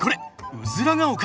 「うずらが丘」。